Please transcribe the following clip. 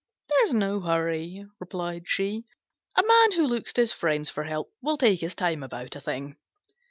"There's no hurry," replied she; "a man who looks to his friends for help will take his time about a thing."